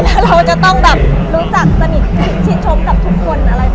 แล้วเราจะต้องรู้จักสนิทชินชมกับทุกคน